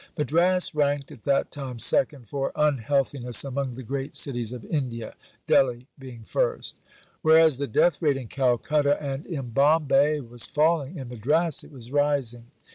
Madras ranked at that time second for unhealthiness among the great cities of India (Delhi being first). Whereas the death rate in Calcutta and in Bombay was falling, in Madras it was rising.